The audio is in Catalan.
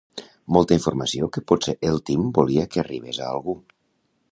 Molta informació que potser el Tim volia que arribés a algú.